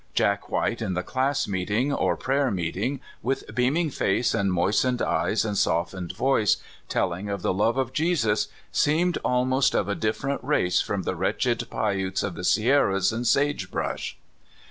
Jack White in the class meeting or prayer meeting, with beaming face and moistened eyes and softened voice, tell ing of the love of Jesus, seemed almost of a differ ent race from the wretched Piutes of the Sierras and sage brush.